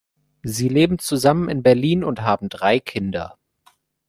Sie leben zusammen in Berlin und haben drei Kinder.